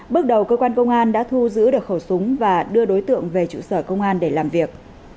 bước đầu cơ quan công an đã thu giữ được khẩu súng và đưa đối tượng về trụ sở công an để làm việc